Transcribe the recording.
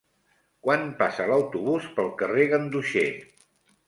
Quan passa l'autobús pel carrer Ganduxer?